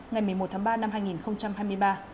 ngày một mươi một tháng ba năm hai nghìn hai mươi ba